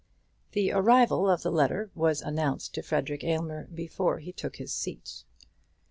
The arrival of the letter was announced to Frederic Aylmer before he took his seat.